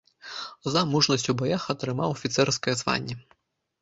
За мужнасць у баях атрымаў афіцэрскае званне.